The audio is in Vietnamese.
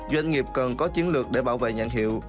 doanh nghiệp cần có chiến lược để bảo vệ nhãn hiệu